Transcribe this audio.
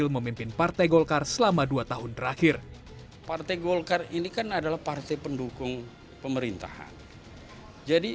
dalam hal ini sempat meyakini jokowi mendukung pak erlangga